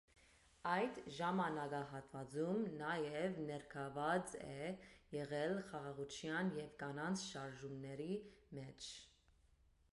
Այդ ժամանակահատվածում նաև ներգրավված է եղել խաղաղության և կանանց շարժումների մեջ։